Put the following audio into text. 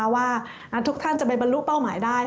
ว่าทุกท่านจะไปบรรลุเป้าหมายได้